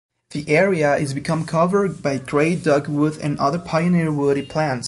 The area is become covered by gray dogwood and other pioneer woody plants.